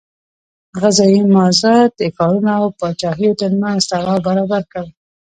غذایي مازاد د ښارونو او پاچاهیو ترمنځ تړاو برابر کړ.